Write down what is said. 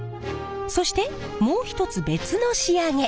そしてもう一つ別の仕上げ。